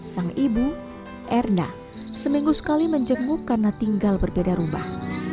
sang ibu erna seminggu sekali menjenguk karena tinggal berbeda rumah